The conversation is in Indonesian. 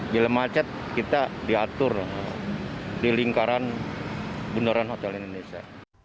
bila macet kita diatur di lingkaran bundaran hotel indonesia